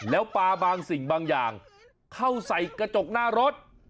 แล้วปลาบางสิ่งบางอย่างเข้าใส่กระจกหน้ารถ